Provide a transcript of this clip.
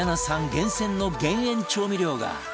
厳選の減塩調味料が